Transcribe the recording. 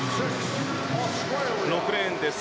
６レーンです。